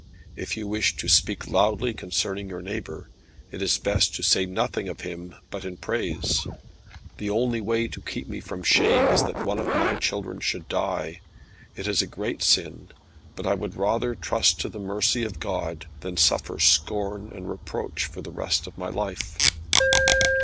If you wish to speak loudly concerning your neighbour, it is best to say nothing of him but in praise. The only way to keep me from shame, is that one of my children should die. It is a great sin; but I would rather trust to the mercy of God, than suffer scorn and reproach for the rest of my life."